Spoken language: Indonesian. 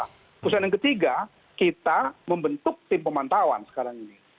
kemudian yang ketiga kita membentuk tim pemantauan sekarang ini